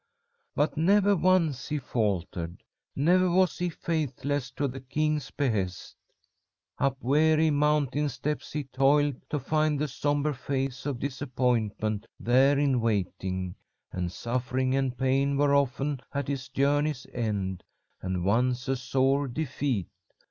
But never once he faltered. Never was he faithless to the king's behest. Up weary mountain steps he toiled to find the sombre face of Disappointment there in waiting, and Suffering and Pain were often at his journey's end, and once a sore Defeat.